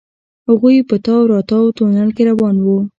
هغوئ په تاو راتاو تونل کې روان وو.